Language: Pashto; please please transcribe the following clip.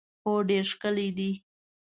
هو ډېر ښکلی دی.